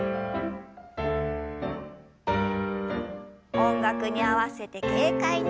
音楽に合わせて軽快に。